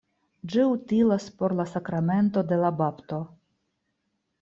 Ĝi utilas por la sakramento de la bapto.